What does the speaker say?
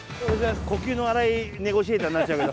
呼吸の荒いネゴシエーターになっちゃうけど。